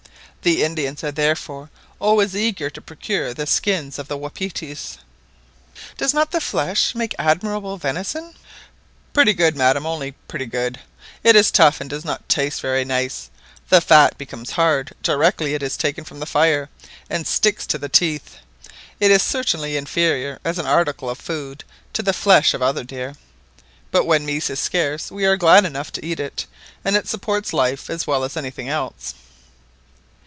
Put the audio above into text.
The Indians are therefore always eager to procure the skins of the wapitis." "Does not the flesh make admirable venison?" "Pretty good, madam; only pretty good. It is tough, and does not taste very nice; the fat becomes hard directly it is taken from the fire, and sticks to the teeth. It is certainly inferior as an article of food to the flesh of other deer; but when meat is scarce we are glad enough to eat it, and it supports life as well as anything else."